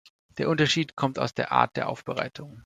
Der Unterschied kommt aus der Art der Aufbereitung.